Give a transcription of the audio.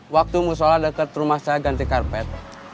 waktu musola dekat rumah saya ganti karpet